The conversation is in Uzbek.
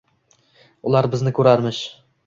Ular bizni ko’rarmish